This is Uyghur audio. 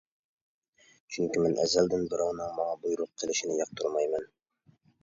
چۈنكى مەن ئەزەلدىن بىراۋنىڭ ماڭا بۇيرۇق قىلىشىنى ياقتۇرمايمەن.